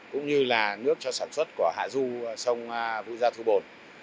cũng như là nước cho sản xuất của hạ du sông vu gia thu bồn